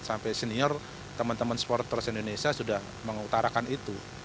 enam belas sembilan belas sampai senior teman teman supporter indonesia sudah mengutarakan itu